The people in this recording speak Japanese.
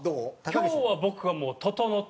今日は僕はもうえっ！